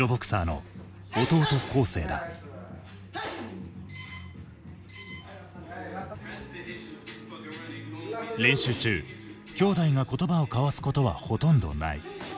練習中兄弟が言葉を交わすことはほとんどない。